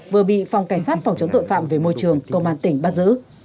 vừa bị phòng cảnh sát phòng chống tội phạm về môi trường công an tỉnh bắt giữ